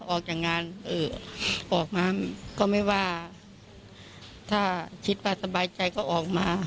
ออกจากงานออกมาก็ไม่ว่าถ้าคิดว่าสบายใจก็ออกมา